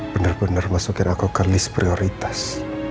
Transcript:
bener bener masukin aku ke list prioritas